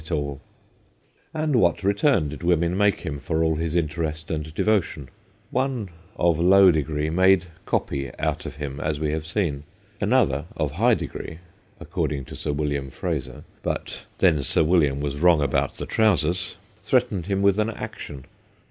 174 THE GHOSTS OF PICCADILLY And what return did women make him for all this interest and devotion ? One of low degree made ' copy ' out of him, as we have seen. Another, of high degree, accord ing to Sir William Fraser but then Sir William was wrong about the trousers threatened him with an action.